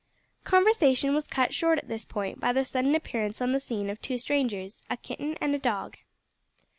Conversation was cut short at this point by the sudden appearance on the scene of two strangers a kitten and a dog.